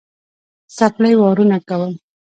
څپلۍ وارونه کول.